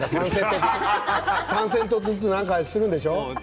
３セットずつなんかするんでしょう？